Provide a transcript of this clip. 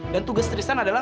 dan tugas tristan adalah